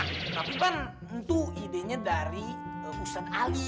tapi pan itu idenya dari ustadz ali